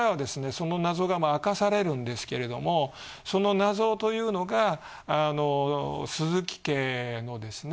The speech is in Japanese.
その謎が明かされるんですけれどもその謎というのが鈴木家のですね